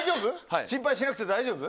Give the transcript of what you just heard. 心配しなくて大丈夫？